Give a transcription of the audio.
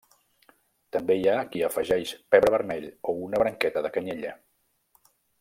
També hi ha qui hi afegeix pebre vermell o una branqueta de canyella.